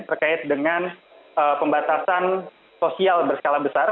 terkait dengan pembatasan sosial berskala besar